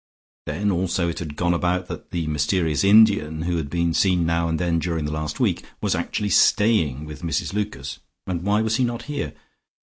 Then also it had gone about that the mysterious Indian, who had been seen now and then during the last week, was actually staying with Mrs Lucas, and why was he not here?